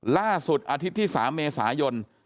ล่าสุดอาทิตย์ที่๓เมษายน